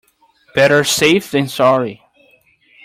Better safe than sorry.